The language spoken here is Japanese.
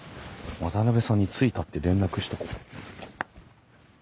渡さんに着いたって連絡しとこ。